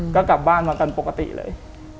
ก็กลับบ้านมากันปกติเลย